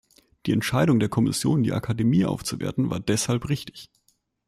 Die Entscheidung der Kommission, die Akademie aufzuwerten, war deshalb richtig.